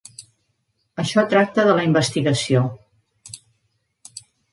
Això tracta de la investigació.